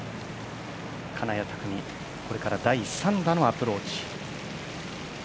金谷拓実、これから第３打のアプローチ。